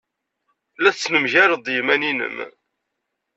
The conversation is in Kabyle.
La tettnemgaled ed yiman-nnem.